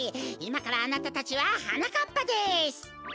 いまからあなたたちははなかっぱです！